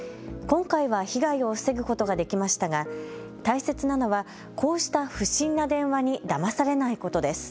今回は被害を防ぐことができましたが、大切なのはこうした不審な電話にだまされないことです。